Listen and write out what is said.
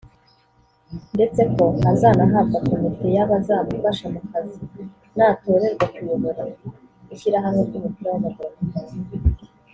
ndetse ko azanahabwa komite y’abazamufasha mu kazi natorerwa kuyobora ishyirahamwe ry’umupira w’amaguru mu Rwanda